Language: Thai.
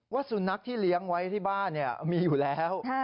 สุนัขที่เลี้ยงไว้ที่บ้านมีอยู่แล้ว